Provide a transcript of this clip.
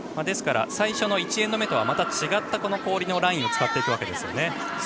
ですから最初の１エンド目とはまた違った氷のラインを使っていくんですね。